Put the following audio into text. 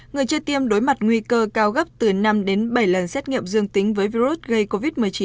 người chưa tiêm đối mặt nguy cơ cao gấp từ năm đến bảy lần xét nghiệm dương tính với virus gây covid một mươi chín